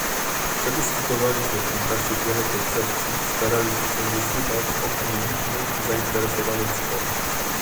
Przedyskutowaliśmy w tym czasie wiele koncepcji i staraliśmy się wysłuchać opinii licznych zainteresowanych stron